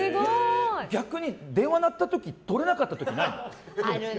逆に電話鳴った時とれなかったことない？